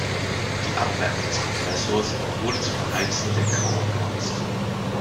Die Abwärme des Kompressors wurde zum Beheizen der Kaue genutzt.